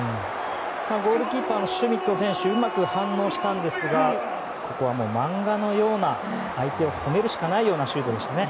ゴールキーパーのシュミット選手うまく反応したんですがここは漫画のような相手をほめるしかないようなシュートでしたね。